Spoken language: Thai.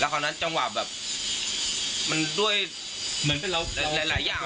แล้วคราวนั้นจังหวะแบบมันด้วยหลายหลายอย่าง